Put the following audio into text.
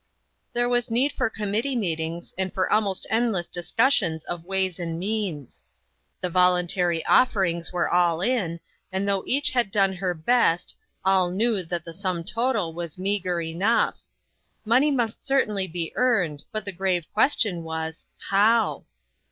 There was need for committee meetings, and for almost endless discussions of ways and means. The voluntary offerings were all in, and though each had done her best, all knew that the sum total was meager enough. Money must certainly be earned, but the grave question was, How